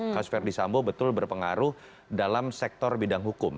kasus verdi sambo betul berpengaruh dalam sektor bidang hukum